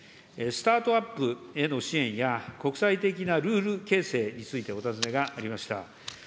スタートアップへの支援や、国際的なルール形成についてお尋ねがありました。